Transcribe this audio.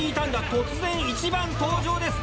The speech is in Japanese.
突然１番登場です。